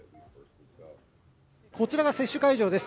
こちらが接種会場です。